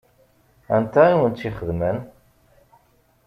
Anta i wen-tt-ixedmen?